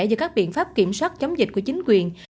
và các biện pháp kiểm soát chống dịch của chính quyền